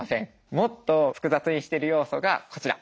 もっと複雑にしてる要素がこちら！